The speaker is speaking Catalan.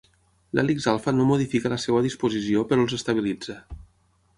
L’hèlix alfa no modifica la seva disposició però els estabilitza.